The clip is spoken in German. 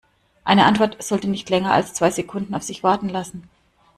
Eine Antwort sollte nicht länger als zwei Sekunden auf sich warten lassen.